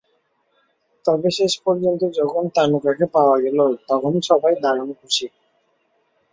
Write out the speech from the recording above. তবে শেষ পর্যন্ত যখন তানুকাকে পাওয়া গেল, তখন সবাই দারুণ খুশি।